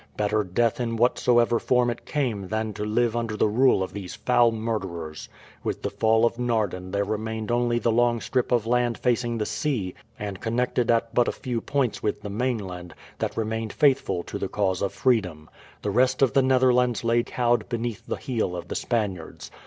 Better death in whatsoever form it came than to live under the rule of these foul murderers. With the fall of Naarden there remained only the long strip of land facing the sea, and connected at but a few points with the mainland, that remained faithful to the cause of freedom. The rest of the Netherlands lay cowed beneath the heel of the Spaniards.